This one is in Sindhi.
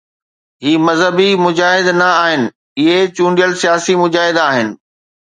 هي مذهبي مجاهد نه آهن، اهي چونڊيل ۽ سياسي مجاهد آهن.